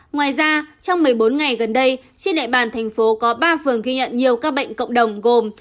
ngoài ra trong một mươi bốn ngày gần đây trên địa bàn tp có ba phường ghi nhận nhiều các bệnh cộng đồng gồm